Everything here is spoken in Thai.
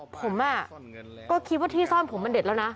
ผมก็คิดว่าที่ซ่อนผมมันเด็ดแล้วนะ